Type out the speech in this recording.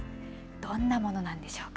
どんなものなんでしょうか。